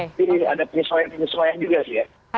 jadi ada penyesuaian penyesuaian juga sih ya